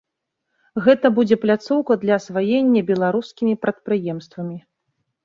Гэта будзе пляцоўка для асваення беларускімі прадпрыемствамі.